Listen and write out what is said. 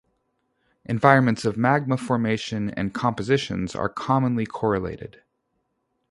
Environments of magma formation and compositions are commonly correlated.